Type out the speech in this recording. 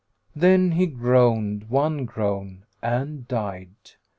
Then he groaned one groan and died.